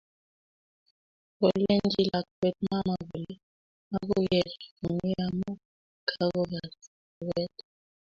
Kolenji lakwet mama kole magogere komnyei amu kakogas rubet